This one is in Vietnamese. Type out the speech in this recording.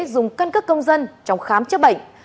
dùng căn cấp công dân trong khám chức bệnh